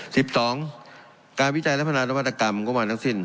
สิบสองการวิจัยและพนาปรับประกรรมกว่ามาทั้งสิ้น